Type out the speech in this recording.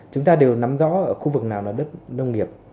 chúng ta đều nắm rõ ở khu vực nào là đất nông nghiệp